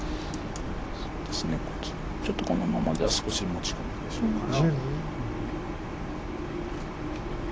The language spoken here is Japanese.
そうですねちょっとこのままでは少し持ち込みでしょうから。